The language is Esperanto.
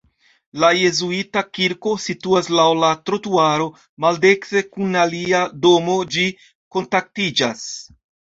La jezuita kirko situas laŭ la trotuaro, maldekstre kun alia domo ĝi kontaktiĝas.